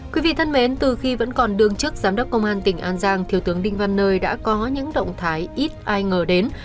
quý vị thân mến từ khi vẫn còn đương chức giám đốc công an tỉnh an giang thiếu tướng đinh văn nơi đã có những động thái ít ai ngờ đến